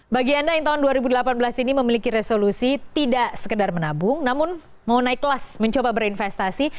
bagi anda yang tahun dua ribu delapan belas ini memiliki resolusi tidak sekedar menabung namun mau naik kelas mencoba berinvestasi